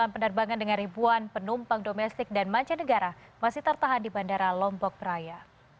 delapan penerbangan dengan ribuan penumpang domestik dan mancanegara masih tertahan di bandara lombok peraya